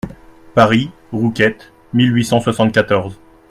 Paris, Rouquette, mille huit cent soixante-quatorze.